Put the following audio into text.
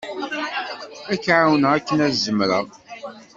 Ad k-εawneɣ akken zemreɣ.